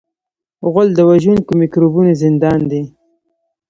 غول د وژونکو میکروبونو زندان دی.